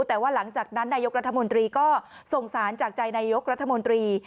แต่ว่าหลังจากนั้นนายกรัฐมนตรีก็สงสารจากใจนายกรัฐมนตรี